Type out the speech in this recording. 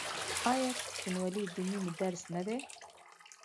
آیا پښتونولي د مینې درس نه دی؟